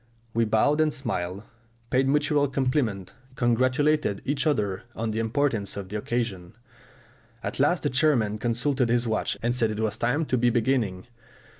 We bowed and smiled, paid mutual compliments, congratulated each other on the importance of the occasion. At last the chairman consulted his watch and said it was time to be beginning.